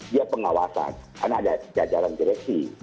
dia pengawasan karena ada jajaran direksi